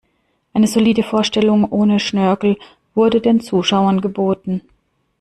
Eine solide Vorstellung ohne Schnörkel wurde den Zuschauern geboten.